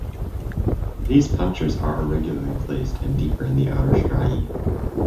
These punctures are irregularly placed and deeper in the outer striae.